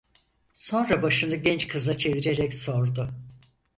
Sonra başını genç kıza çevirerek sordu: